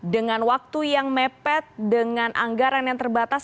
dengan waktu yang mepet dengan anggaran yang terbatas